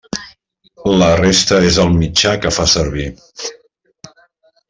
La resta és el mitjà que fa servir.